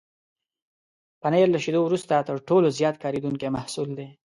پنېر له شيدو وروسته تر ټولو زیات کارېدونکی محصول دی.